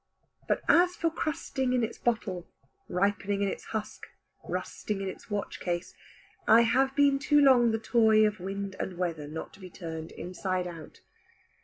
But as for crusting in its bottle, ripening in its husk, rusting in its watch case, I have been too long the toy of wind and weather not to be turned inside out.